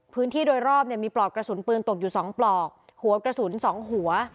พื้นที่โดยรอบเนี่ยมีปลอกกระสุนปืนตกอยู่สองปลอกหัวกระสุนสองหัว